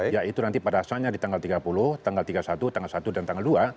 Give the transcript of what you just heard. yaitu nanti pada asalnya di tanggal tiga puluh tanggal tiga puluh satu tanggal satu dan tanggal dua